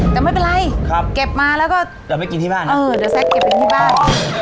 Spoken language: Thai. แต่ไม่เป็นไรครับเก็บมาแล้วก็เราไปกินที่บ้านนะเออเดี๋ยวแซ็คเก็บไปที่บ้าน